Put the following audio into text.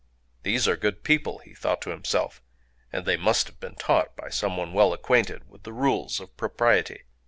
"These are good people," he thought to himself; "and they must have been taught by some one well acquainted with the rules of propriety."